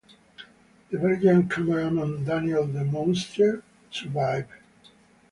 The Belgian cameraman Daniel Demoustier survived.